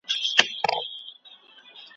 موږ باید د څيړني په ارزښت پوه سو.